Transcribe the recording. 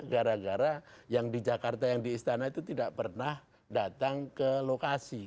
gara gara yang di jakarta yang di istana itu tidak pernah datang ke lokasi